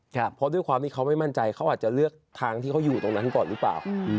เพราะด้วยความที่เขาไม่มั่นใจเขาอาจจะเลือกทางที่เขาอยู่ตรงนั้นก่อนหรือเปล่า